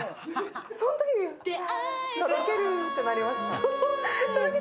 そんときに、ファ、とろけるってなりました。